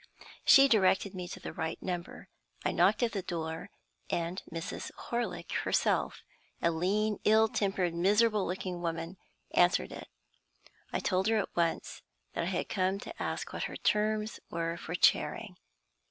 She directed me to the right number. I knocked at the door, and Mrs. Horlick herself a lean, ill tempered, miserable looking woman answered it. I told her at once that I had come to ask what her terms were for charing.